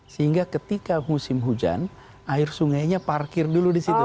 sehingga ketika musim hujan air sungainya parkir dulu di situ